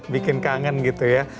bikin kangen gitu ya